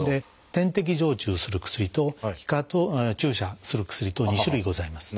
点滴静注する薬と皮下注射する薬と２種類ございます。